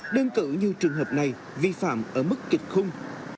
đơn cử như trường hợp này vi phạm ở mức kịch khung